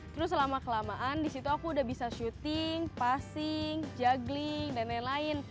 terus selama kelamaan di situ aku udah bisa syuting passing juggling dan lain lain